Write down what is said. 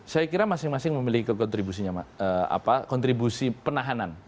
saya kira masing masing memiliki kontribusi penahanan